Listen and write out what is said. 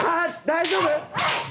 大丈夫？